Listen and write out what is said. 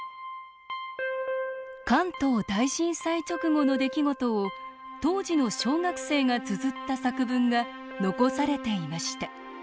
関東大震災直後の出来事を当時の小学生がつづった作文が残されていました。